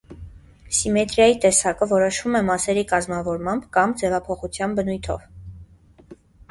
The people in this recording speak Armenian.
Սիմետրիայի տեսակը որոշվում է մասերի կազմավորմամբ կամ ձևափոխության բնույթով։